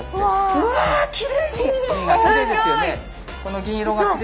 うわきれいに！